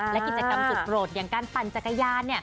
และกิจกรรมสุดโปรดอย่างการปั่นจักรยาน